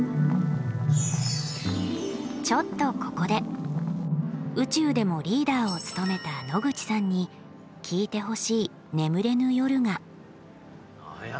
ちょっとここで宇宙でもリーダーを務めた野口さんに聞いてほしい眠れぬ夜が。